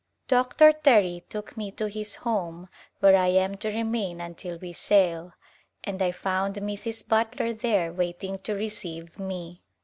Dr. Terry took me to his home where I am to re main until we sail, and I found Mrs. Butler there waiting to receive me.